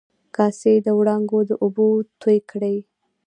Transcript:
کاسي د و ړانګو د اوبو توی کړي